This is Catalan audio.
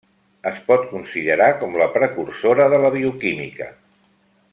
Es pot considerar com la precursora de la bioquímica.